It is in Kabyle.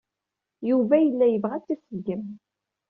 Yuba yella yebɣa ad tt-iṣeggem.